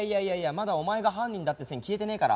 まだお前が犯人だって線消えてねえから。